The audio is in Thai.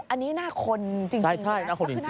อันนี้หน้าคนจริง